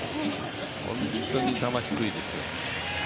本当に球、低いですよ。